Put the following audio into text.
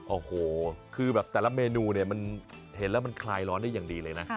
โอ้โหคือแบบแต่ละเมนูเนี่ยมันเห็นแล้วมันคลายร้อนได้อย่างดีเลยนะ